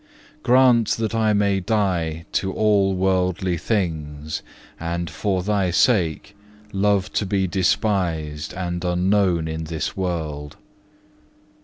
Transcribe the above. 4. Grant that I may die to all worldly things, and for Thy sake love to be despised and unknown in this world.